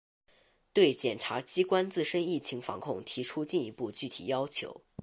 对检察机关自身疫情防控提出进一步具体要求